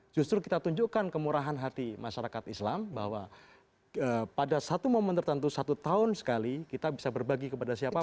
justru kita tunjukkan kemurahan hati masyarakat islam bahwa pada satu momen tertentu satu tahun sekali kita bisa berbagi kepada siapapun